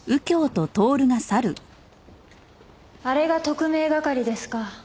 あれが特命係ですか。